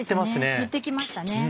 減って来ましたね。